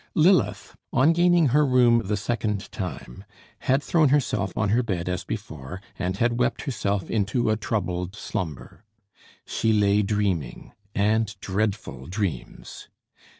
Lilith, on gaining her room the second time, had thrown herself on her bed as before, and had wept herself into a troubled slumber. She lay dreaming and dreadful dreams.